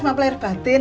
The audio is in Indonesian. maaf lah air batin